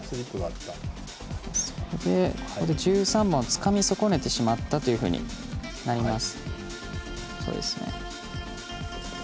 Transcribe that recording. そこで１３番をつかみ損ねてしまったということになります。